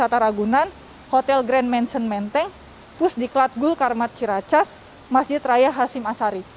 taragunan hotel grand mansion menteng pusdiklat gul karmat siracas masjid raya hasim asari